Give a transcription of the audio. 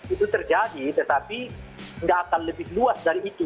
itu terjadi tetapi tidak akan lebih luas dari itu